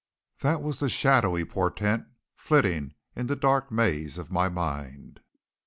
That was the shadowy portent flitting in the dark maze of my mind.